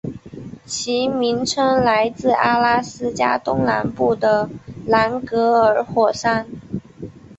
其名称来自阿拉斯加东南部的兰格尔火山。